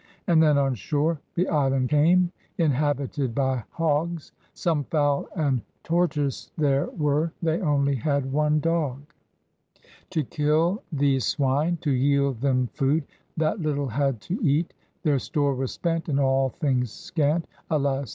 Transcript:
And then on shoare the iland came Inhabited by hogges. Some Foule and tortoyses there were. They only had one dogge. THE SEA ADVENTURE 67 To kill these swyne, to yield them foode. That little had to eate. Their store was spent and all things scant, Alas!